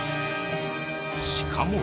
しかも。